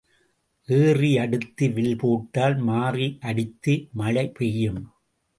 ஏறி அடுத்து வில் போட்டால் மாறி அடித்து மழை பெய்யும்.